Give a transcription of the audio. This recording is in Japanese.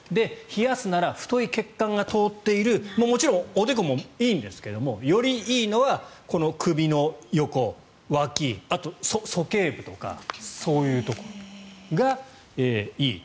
冷やすなら太い血管が通っているもちろんおでこもいいんですけどよりいいのはこの首の横、わきあと、鼠径部とかそういうところがいい。